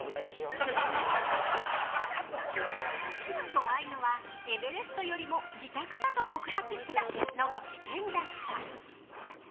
怖いのはエベレストよりも自宅だと告白した野口健だった。